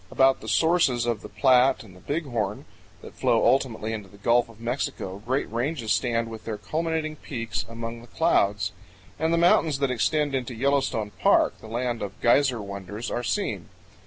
About the sources of the Platte and the Big Horn, that flow ultimately into the Gulf of Mexico, great ranges stand with their culminating peaks among the clouds; and the mountains that extend into Yellowstone Park, the land of geyser wonders, are seen.